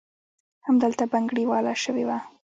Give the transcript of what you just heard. همدلته بنګړیواله شوې وه.